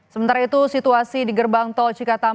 sementara itu situasi di gerbang tol cikatam